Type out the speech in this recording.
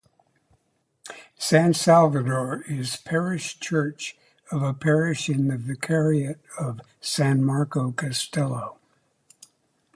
San Salvador is parish church of a parish in the Vicariate of San Marco-Castello.